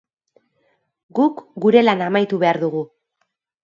Guk gure lana amaitu behar dugu.